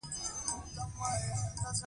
بدرنګه خوی له تورو فکرونو ډک وي